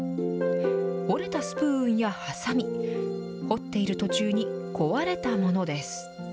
折れたスプーンやはさみ彫っている途中に壊れたものです。